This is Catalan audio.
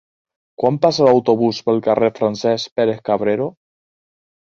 Quan passa l'autobús pel carrer Francesc Pérez-Cabrero?